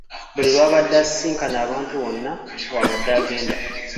Buli lw'abadde asisinkana abantu wonna w'abadde agenda